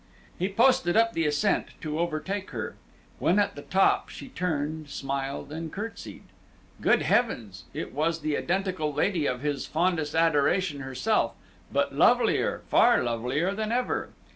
He posted up the ascent to overtake her. When at the top she turned, smiled, and curtsied. Good heavens! it was the identical lady of his fondest adoration herself, but lovelier, far lovelier, than ever.